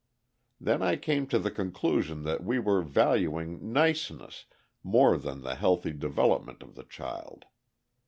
Then I came to the conclusion that we were valuing "niceness" more than the healthy development of the child.